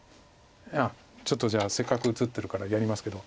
ちょっとじゃあせっかく映ってるからやりますけど。